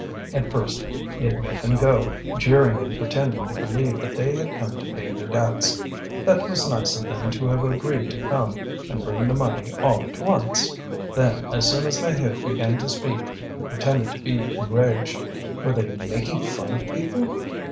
At first, he had made them go in, jeering and pretending to believe that they had come to pay their debts: that was nice of them to have agreed to come and bring the money all at once. Then, as soon as Maheude began to speak he pretended to be enraged. Were they making fun of people?